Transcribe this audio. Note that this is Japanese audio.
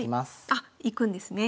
あっいくんですね。